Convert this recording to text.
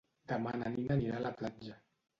Demà na Nina anirà a la platja.